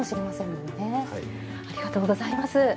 ありがとうございます。